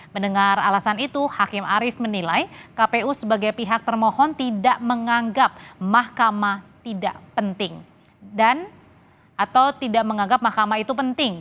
mendengar alasan itu hakim arief menilai kpu sebagai pihak termohon tidak menganggap mahkamah itu penting